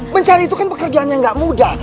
mencari itu kan pekerjaan yang gak mudah